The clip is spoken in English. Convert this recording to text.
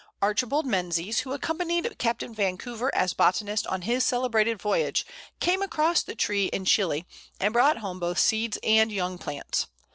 Archibald Menzies, who accompanied Captain Vancouver as botanist on his celebrated voyage, came across the tree in Chili, and brought home both seeds and young plants.